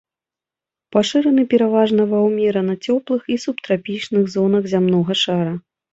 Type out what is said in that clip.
Пашыраны пераважна ва ўмерана цёплых і субтрапічных зонах зямнога шара.